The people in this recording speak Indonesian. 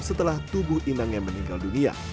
setelah tubuh inang yang meninggal dunia